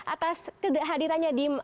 atas hadirannya di